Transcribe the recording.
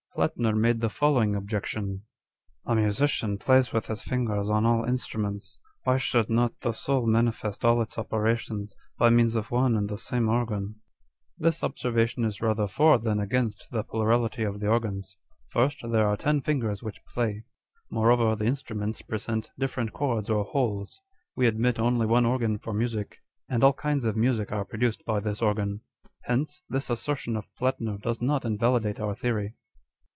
Plattner made the following objection : â€" ' A musician plays with his fingers on all instruments ; why should not the soul manifest all its operations by means of one and the same organ ?' This observation is rather for than against the plurality of the organs. First, there arc ten fingers which play : moreover, the instruments present different chords or holes. We admit only one organ for music ; and all kinds of music are produced by this organ. Hence, this assertion of Plattner does not invalidate our theory."